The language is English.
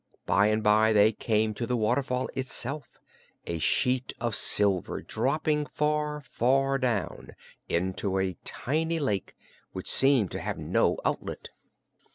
By and by they came to the waterfall itself, a sheet of silver dropping far, far down into a tiny lake which seemed to have no outlet.